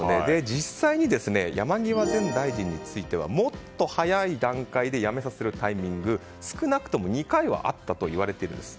実際に山際前大臣についてはもっと早い段階で辞めさせるタイミング少なくとも２回はあったといわれています。